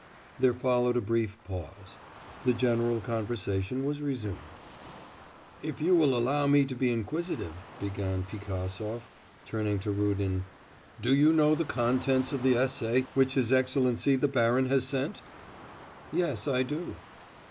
There followed a brief pause. The general conversation was resumed. 'If you will allow me to be inquisitive,' began Pigasov, turning to Rudin, 'do you know the contents of the essay which his excellency the baron has sent?' 'Yes, I do.